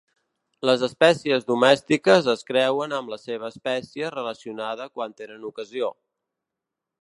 Les espècies domèstiques es creuen amb la seva espècie relacionada quan tenen ocasió.